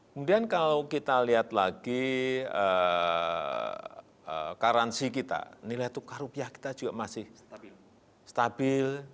kemudian kalau kita lihat lagi karansi kita nilai tukar rupiah kita juga masih stabil